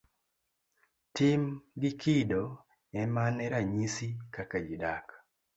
Tim gi kido emane ranyisi kaka ji dak.